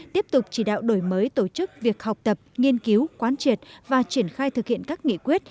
tiếp tục chỉ đạo đổi mới tổ chức việc học tập nghiên cứu quán triệt và triển khai thực hiện các nghị quyết